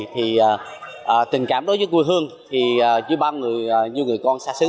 thì tình cảm đối với quê hương với bao nhiêu người con xa xứ